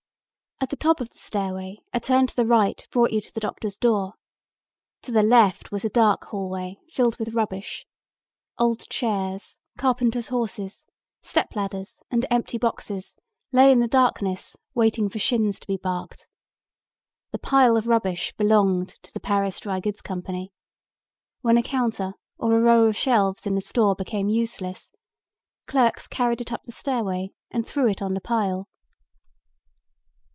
At the top of the stairway a turn to the right brought you to the doctor's door. To the left was a dark hallway filled with rubbish. Old chairs, carpenter's horses, step ladders and empty boxes lay in the darkness waiting for shins to be barked. The pile of rubbish belonged to the Paris Dry Goods Company. When a counter or a row of shelves in the store became useless, clerks carried it up the stairway and threw it on the pile.